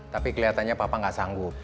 tapi kelihatannya papa nggak sanggup